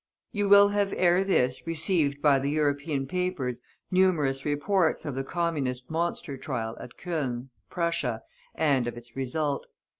You will have ere this received by the European papers numerous reports of the Communist Monster Trial at Cologne, Prussia, and of its result.